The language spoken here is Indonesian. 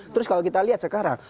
terus kalau kita lihat sekarang